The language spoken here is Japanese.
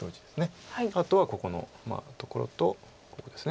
あとはここのところとここです。